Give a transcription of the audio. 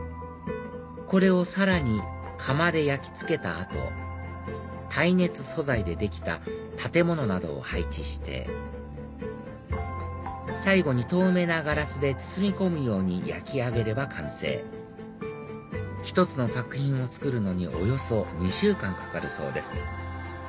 これをさらに窯で焼きつけた後耐熱素材でできた建物などを配置して最後に透明なガラスで包み込むように焼き上げれば完成１つの作品を作るのにおよそ２週間かかるそうです